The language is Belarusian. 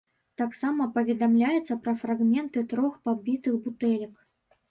Таксама паведамляецца пра фрагменты трох пабітых бутэлек.